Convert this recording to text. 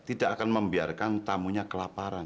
tidak akan membiarkan tamunya kelaparan